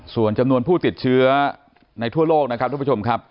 ส่วนจำนวนผู้ติดเชื้อในทั่วโลกนะครับทุกผู้ชมครับ